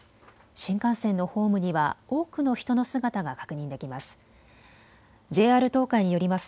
新幹線のホームには多くの人の姿が確認できます。